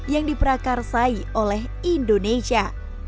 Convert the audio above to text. yang diprakarsai oleh indonesia